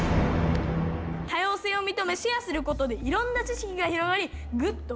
多様性を認めシェアすることでいろんな知識が広がりぐっと深まる。